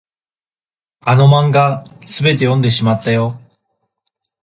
あの漫画、すべて読んでしまったよ。